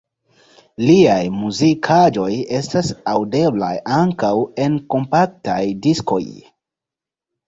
Liaj muzikaĵoj estas aŭdeblaj ankaŭ en kompaktaj diskoj.